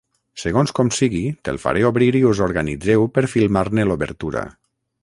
Segons com sigui te'l faré obrir i us organitzeu per filmar-ne l'obertura.